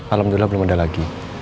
alhamdulillah belum ada lagi